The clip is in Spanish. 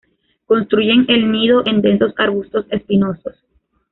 Construyen el nido en densos arbustos espinosos.